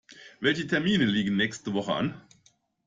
Welche Termine liegen nächste Woche an?